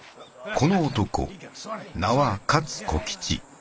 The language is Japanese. この男名は勝小吉。